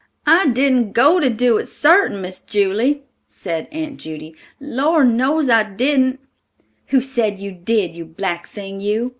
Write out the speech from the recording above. "I didn't go to do it, sartin, Miss July," said Aunt Judy, "Lor' knows I didn't." "Who said you did, you black thing, you?"